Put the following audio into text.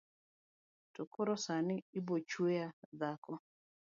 to koro sani ibochweya dhako